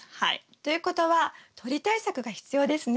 ということは鳥対策が必要ですね。